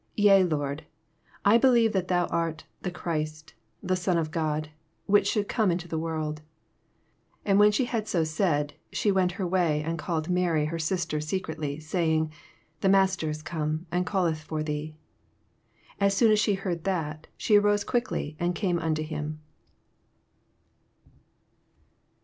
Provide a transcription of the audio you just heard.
Yea, Lord: I believe that thou art the Christ, the Son of God, which should come into the world. 28 And when she had so said, she went her way, and called Mary her sister secretly, saying, The Master is come, and oalieth for thee, 29 As soon as she heard that, she arose quickly, and came nnto him.